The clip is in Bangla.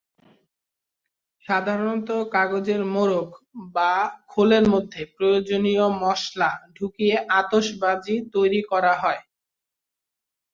সাধারণত কাগজের মোড়ক বা খোলের মধ্যে প্রয়োজনীয় মসলা ঢুকিয়ে আতশবাজি তৈরি করা হয়।